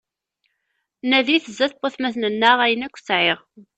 Nadi zdat n watmaten-nneɣ ayen akk sɛiɣ.